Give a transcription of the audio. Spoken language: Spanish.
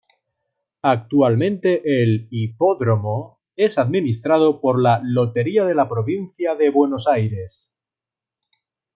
Actualmente el "hipódromo" es administrado por la "Lotería de la Provincia de Buenos Aires".